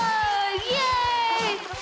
イエイ！